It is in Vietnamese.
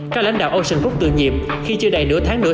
các lãnh đạo ocean grook tự nhiệm khi chưa đầy nửa tháng nữa